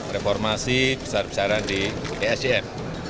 reformasi besar besaran di esdm